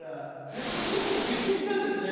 やっぱり郷さんもびっくりしたんですね。